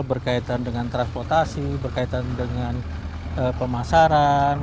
berkaitan dengan transportasi berkaitan dengan pemasaran